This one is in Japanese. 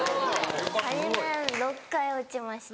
仮免６回落ちました。